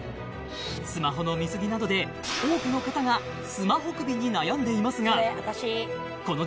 スマホの見過ぎなどで多くの方がスマホ首に悩んでいますがそれ